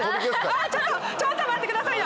あちょっと待ってくださいよ！